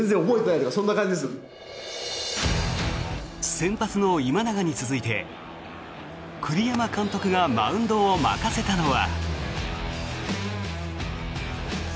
先発の今永に続いて栗山監督がマウンドを任せたのは。